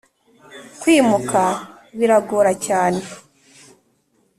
kwimuka biragora cyane